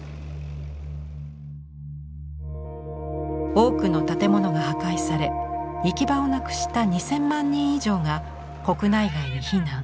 多くの建物が破壊され行き場をなくした２０００万人以上が国内外に避難。